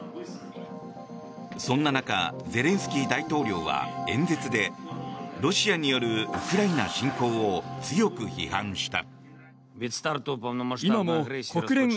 そんな中、ゼレンスキー大統領は演説でロシアによるウクライナ侵攻を強く批判した。